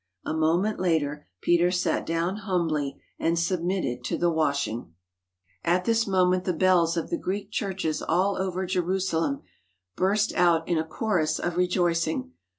A moment later Peter sat down humbly and submitted to the washing. 97 THE HOLY LAND AND SYRIA At this moment the bells of the Greek churches all over Jerusalem burst out in a chorus of rejoicing.